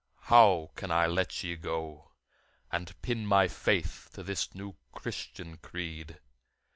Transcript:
how can I let ye go And pin my faith to this new Christian creed?